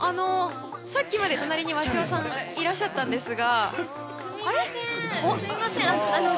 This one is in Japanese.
さっきまで隣に鷲尾さんがいらっしゃったんですが。